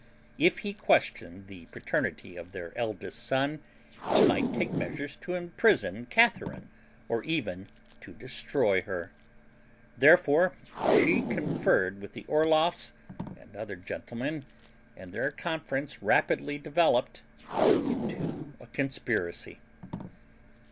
If he questioned the paternity of their eldest son he might take measures to imprison Catharine or even to destroy her. Therefore she conferred with the Orloffs and other gentlemen, and their conference rapidly developed into a conspiracy.